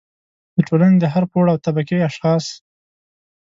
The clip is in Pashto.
د ټولنې د هر پوړ او طبقې اشخاص